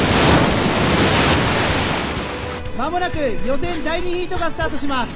間もなく予選第２ヒートがスタートします。